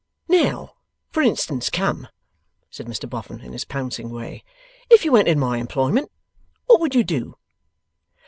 'Now, for instance come!' said Mr Boffin, in his pouncing way. 'If you entered my employment, what would you do?